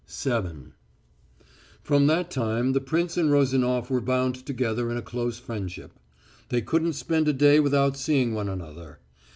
VII From that time the prince and Rozanof were bound together in a close friendship. They couldn't spend a day without seeing one another.